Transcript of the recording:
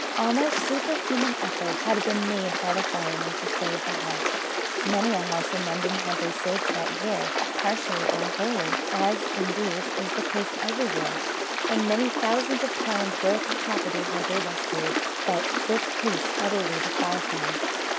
Almost superhuman efforts had been made by the firemen to save the house. Many a house in London had they saved that year, partially or wholly; as, indeed, is the case every year, and many thousands of pounds' worth of property had they rescued; but this case utterly defied them.